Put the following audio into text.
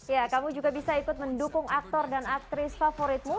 ya kamu juga bisa ikut mendukung aktor dan aktris favoritmu